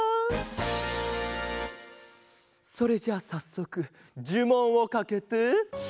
それじゃあさっそくじゅもんをかけて。